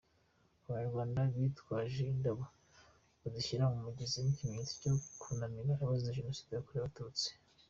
Abanyarwanda bitwaje indabo bazishyira mu mugezi nk'ikimenyetso cyo kunamira abazize Jenoside yakorewe Abatutsi .